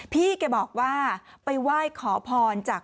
พี่แกบอกว่าไปไหว้ขอพรจาก